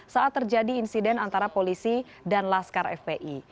saat terjadi insiden antara polisi dan pemeriksaan